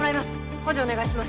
補助お願いします